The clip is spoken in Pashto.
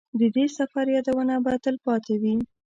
د دې سفر یادونه به تلپاتې وي.